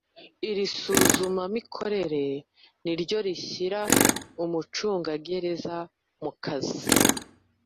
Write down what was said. Irisuzumamikorere niryo rishyira umucungagereza mukazi